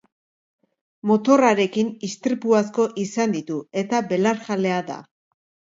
Motorrarekin istripu asko izan ditu eta belarjalea da.